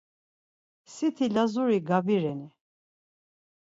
Siti Lazuri gabireni?